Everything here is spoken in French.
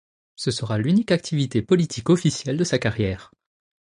Ce sera l’unique activité politique officielle de sa carrière.